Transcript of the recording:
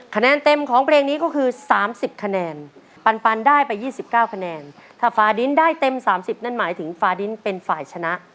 คะแนนเต็มของเพลงนี้ก็คือ๓๐คะแนนปันได้ไป๒๙คะแนนถ้าฟ้าดินได้เต็ม๓๐นั่นหมายถึงฟาดินเป็นฝ่ายชนะ